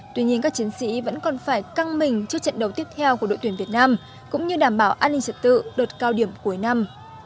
tuy nhiên các chiến sĩ vẫn còn phải căng mình trước trận đấu tiếp theo của đội tuyển việt nam cũng như đảm bảo an ninh trật tự đợt cao điểm cuối năm